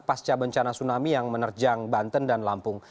pasca bencana tsunami yang menerjang banten dan lampung